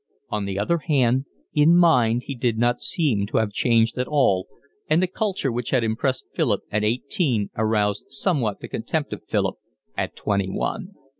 On the other hand, in mind he did not seem to have changed at all, and the culture which had impressed Philip at eighteen aroused somewhat the contempt of Philip at twenty one.